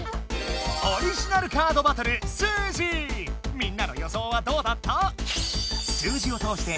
みんなの予想はどうだった？